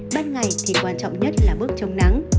ban ngày thì quan trọng nhất là bước chống nắng